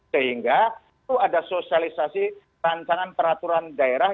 sehingga itu ada sosialisasi rancangan peraturan daerah